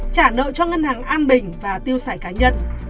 trả nợ cho ngân hàng an bình và tiêu xài cá nhân